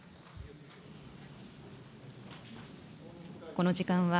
この時間は、